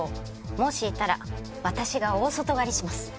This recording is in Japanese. もしいたら私が大外刈りします。